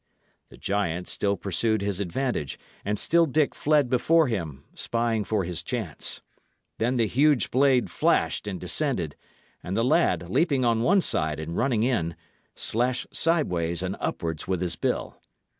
The giant still pursued his advantage, and still Dick fled before him, spying for his chance. Then the huge blade flashed and descended, and the lad, leaping on one side and running in, slashed sideways and upwards with his bill.